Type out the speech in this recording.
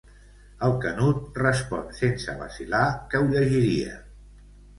El Canut respon sense vacil·lar que ho llegiria.